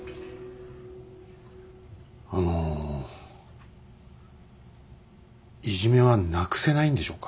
あのいじめはなくせないんでしょうか。